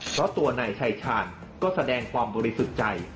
เพราะตัวนายชายชาญก็แสดงความบริสุทธิ์ใจ